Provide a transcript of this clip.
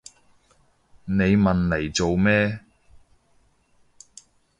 你問嚟做咩？